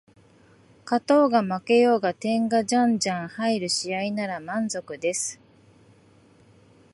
勝とうが負けようが点がじゃんじゃん入る試合なら満足です